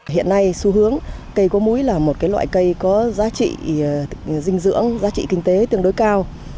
hiện nay xu hướng cây có múi là một loại cây có giá trị dinh dưỡng giá trị kinh tế tương đối cao